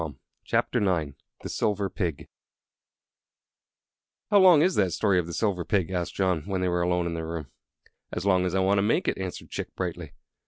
The Silver Pig "How long is that story of the Silver Pig?" asked John, when they were alone in their room. "As long as I want to make it," answered Chick, brightly.